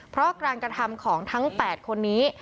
เพราะการกระทำของทั้ง๘คนนี้